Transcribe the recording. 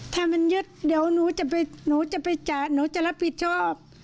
ถ้ามันยึดเดี๋ยวหนูจะไปหนูจะไปจ่ายหนูจะรับผิดชอบ